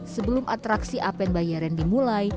sebelum atraksi apen bayeren dimulai